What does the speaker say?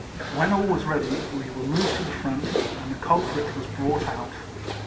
When ail was ready, we were moved to the front, and the culprit was brought out.